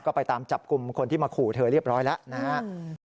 ก็ไปตามจับกลุ่มคนที่มาขู่เธอเรียบร้อยแล้วนะครับ